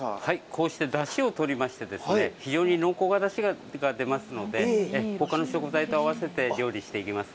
こうしてだしをとりまして、非常に濃厚なだしが出ますので、ほかの食材と合わせて料理していきます。